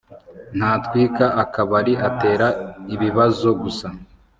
ntatwika akabari atera ibibazo gusa